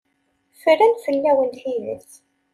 Ffren fell-awen tidet.